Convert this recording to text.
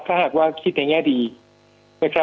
ถ้าหากว่าคิดในแง่ดีนะครับ